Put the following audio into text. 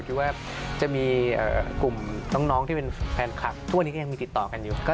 คุณผู้ชมไม่เจนเลยค่ะถ้าลูกคุณออกมาได้มั้ยคะ